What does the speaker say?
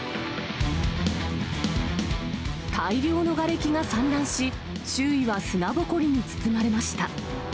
大量のがれきが散乱し、周囲は砂ぼこりに包まれました。